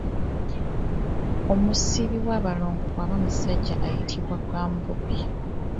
Omusibi w'abalongo bw'aba omusajja ayitibwa ggambobbi.